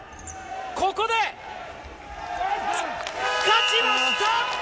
ここで、勝ちました！